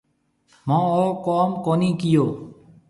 مونه او ڪوم ڪونِي ڪيو۔